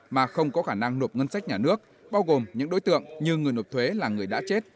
mà không có khả năng nộp ngân sách nhà nước bao gồm những đối tượng như người nộp thuế là người đã chết